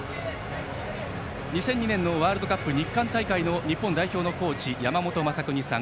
２００２年のワールドカップ日韓大会のコーチを務めた山本昌邦さん。